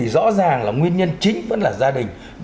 rõ ràng là nguyên nhân chính vẫn là gia đình